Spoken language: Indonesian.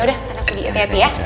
udah kesana aku di hati hati ya